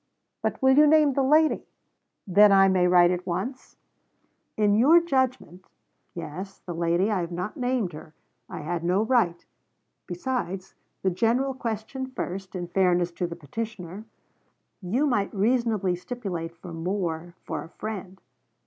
But will you name the lady?' 'Then I may write at once? In your judgement.... Yes, the lady. I have not named her. I had no right. Besides, the general question first, in fairness to the petitioner. You might reasonably stipulate for more for a friend.